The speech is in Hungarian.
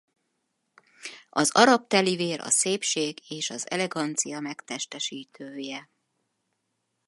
Az arab telivér a szépség és az elegancia megtestesítője.